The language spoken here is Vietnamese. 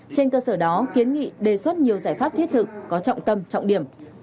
trên cơ sở đó kiến nghị đề xuất nhiều giải pháp thiết thực có trọng tâm trọng điểm